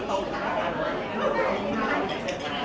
โปรดติดตามต่อไป